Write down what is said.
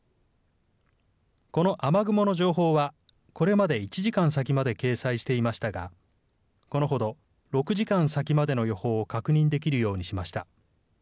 この雨雲の情報は、これまで１時間先まで掲載していましたが、このほど、６時間先までの予報を確認できるようにしました。